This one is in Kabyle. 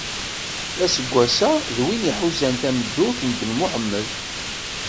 Aseggas-a, d win iḥuzan tameddurt n Ben Muḥemed.